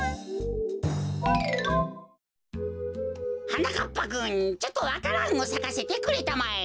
はなかっぱくんちょっとわか蘭をさかせてくれたまえ。